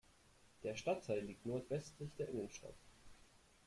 Der Stadtteil liegt nordwestlich der Innenstadt.